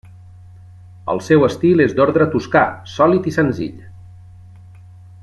El seu estil és d'ordre toscà, sòlid i senzill.